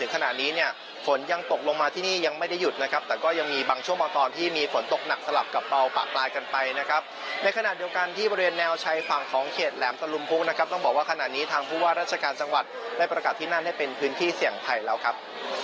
ขณะนี้ทางผู้ว่าราชการจังหวัดได้ประกาศที่นั่นให้เป็นพื้นที่เสี่ยงไทยแล้วครับ